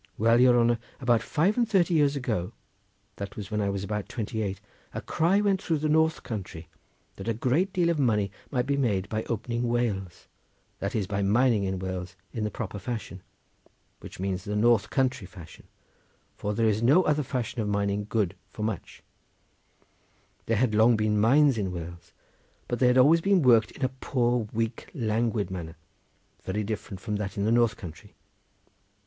Well, your honour, about five and thirty years ago, that was when I was about twenty eight, a cry went through the north country that a great deal of money might be made by opening Wales, that is, by mining in Wales in the proper fashion, which means the north country fashion, for there is no other fashion of mining good for much—there had long been mines in Wales, but they had always been worked in a poor, weak, languid manner, very different from that of the north country.